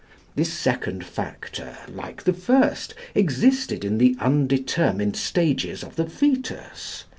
This second factor, like the first, existed in the undetermined stages of the fœtus.